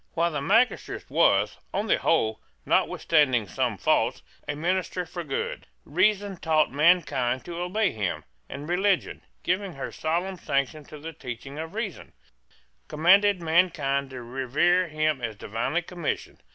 While the magistrate was, on the whole, notwithstanding some faults, a minister for good, Reason taught mankind to obey him; and Religion, giving her solemn sanction to the teaching of Reason, commanded mankind to revere him as divinely commissioned.